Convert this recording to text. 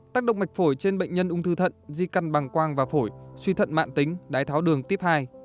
tác động mạch phổi trên bệnh nhân ung thư thận di căn bằng quang và phổi suy thận mạng tính đái tháo đường tiếp hai